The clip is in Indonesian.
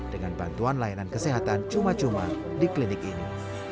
dengan bantuan layanan kesehatan cuma cuma di klinik ini